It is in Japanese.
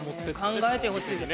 考えてほしいです。